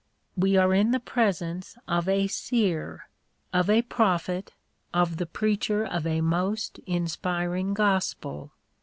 We are in the presence of a seer, of a prophet, of the preacher of a most inspiring gospel.